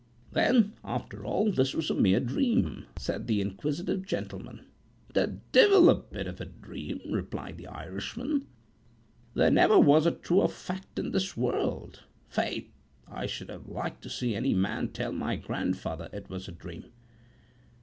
"Then after all, this was a mere dream!" said the inquisitive gentleman."The divil a bit of a dream!" replied the Irishman: "there never was a truer fact in this world. Faith, I should have liked to see any man tell my grandfather it was a dream."